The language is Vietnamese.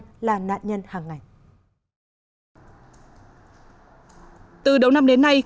từ đầu năm đến nay cục an ninh mạng và phòng chống dịch covid một mươi chín